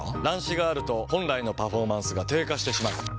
乱視があると本来のパフォーマンスが低下してしまう。